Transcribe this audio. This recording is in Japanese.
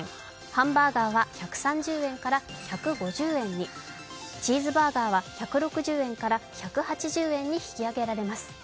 ハンバーガーは１３０円から１５０円に、チーズバーガーは１６０円から１８０円に引き上げられます。